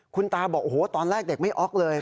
คุณตาบอกโอ้โหตอนแรกเด็กไม่ออกเลย